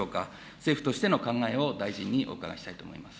政府としての考えを大臣にお伺いしたいと思います。